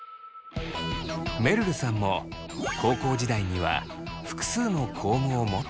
めるるさんも高校時代には複数のコームを持っていたそう。